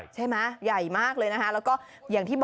ใช่